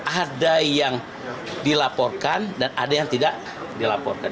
ada yang dilaporkan dan ada yang tidak dilaporkan